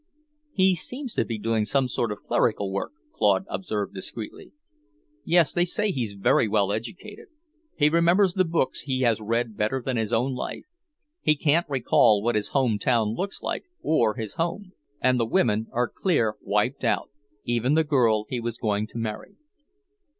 "He seems to be doing some sort of clerical work," Claude observed discreetly. "Yes, they say he's very well educated. He remembers the books he has read better than his own life. He can't recall what his home town looks like, or his home. And the women are clear wiped out, even the girl he was going to marry."